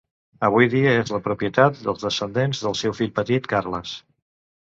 Avui dia és la propietat dels descendents del seu fill petit Carles.